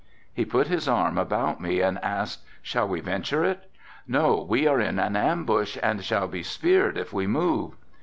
He put his arm about me and asked, "Shall we venture it?" "No we are in an ambush and shall be speared if we move."